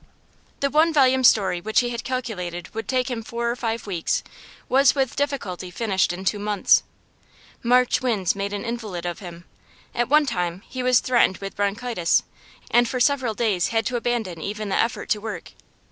The one volume story which he had calculated would take him four or five weeks was with difficulty finished in two months. March winds made an invalid of him; at one time he was threatened with bronchitis, and for several days had to abandon even the effort to work.